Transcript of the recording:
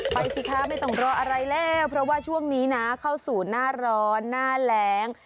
สิคะไม่ต้องรออะไรแล้วเพราะว่าช่วงนี้นะเข้าสู่หน้าร้อนหน้าแรง